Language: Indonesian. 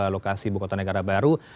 lokasi bukota negara baru